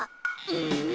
うん！